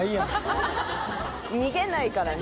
逃げないからね。